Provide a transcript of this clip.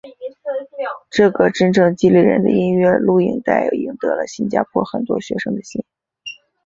这个真正激励人的音乐录影带赢得了新加坡很多学生的心。